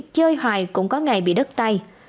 chơi hoài cũng có ngày bị đất tay